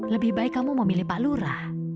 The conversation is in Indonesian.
lebih baik kamu memilih pak lurah